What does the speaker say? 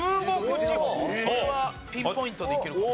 それはピンポイントでいけるかも。